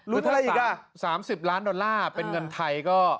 ลุ้นอะไรอีกอ่ะอืมถ้าถาม๓๐ล้านดอลลาร์เป็นเงินไทยก็